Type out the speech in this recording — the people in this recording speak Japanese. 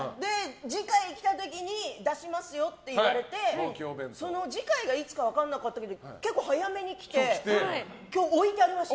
次回、来た時に出しますよって言われてその次回がいつか分からなかったけど結構早めに来て今日、置いてありました。